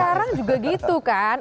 juga gitu kan